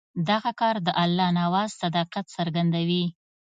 دغه کار د الله نواز صداقت څرګندوي.